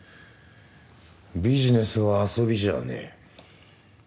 ビジネスは遊びじゃねえ